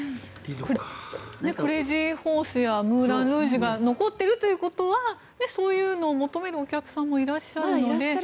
クレイジー・ホースやムーラン・ルージュが残っているということはそういうのを求めるお客さんもいらっしゃるので。